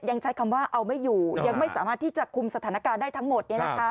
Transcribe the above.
ยังใช้คำว่าเอาไม่อยู่ยังไม่สามารถที่จะคุมสถานการณ์ได้ทั้งหมด